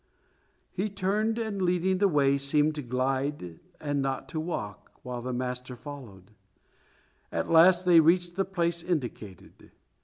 He turned, and leading the way seemed to glide and not to walk, while the master followed. At last they reached the place indicated.